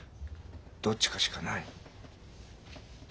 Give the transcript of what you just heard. どっちかしかない。